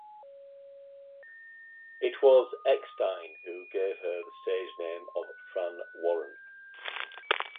It was Eckstine who gave her the stage name of Fran Warren.